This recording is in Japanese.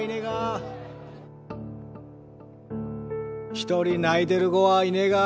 一人泣いてる子はいねが。